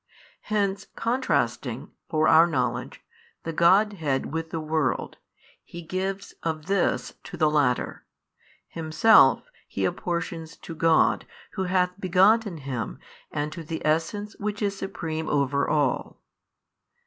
Hence contrasting (for our knowledge) the Godhead with the world, He gives Of this to the latter, Himself He apportions to God Who hath begotten Him and to the Essence which is Supreme over all.